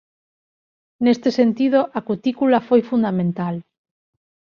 Neste sentido a cutícula foi fundamental.